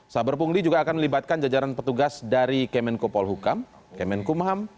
saber pungli juga akan melibatkan jajaran petugas dari kemenko polhukam kemenko maham